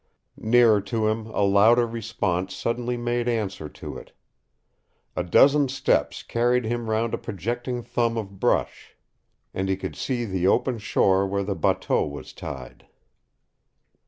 Nearer to him a louder response suddenly made answer to it. A dozen steps carried him round a projecting thumb of brush, and he could see the open shore where the bateau was tied.